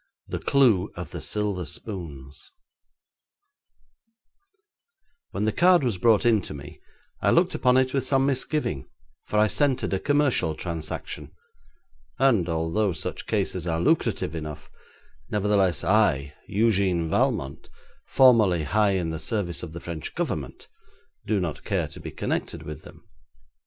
3. The Clue of the Silver Spoons When the card was brought in to me, I looked upon it with some misgiving, for I scented a commercial transaction, and, although such cases are lucrative enough, nevertheless I, Eugène Valmont, formerly high in the service of the French Government, do not care to be connected with them.